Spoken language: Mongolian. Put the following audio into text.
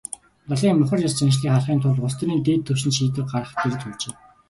Лалын мухар ес заншлыг халахын тулд улс төрийн дээд түвшинд шийдвэр гаргах дээрээ тулжээ.